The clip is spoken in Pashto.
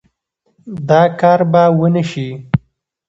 دا کار به ونشي